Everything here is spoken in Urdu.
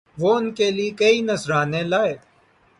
وہ ان کے لیے کئی نذرانے لائے